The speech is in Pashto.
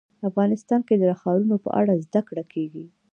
افغانستان کې د ښارونو په اړه زده کړه کېږي.